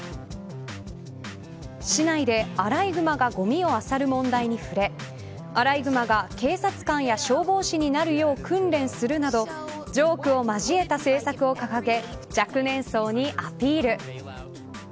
市内で、アライグマがごみをあさる問題に触れアライグマが警察官や消防士になるよう訓練するなどジョークを交えた政策を掲げ若年層にアピール。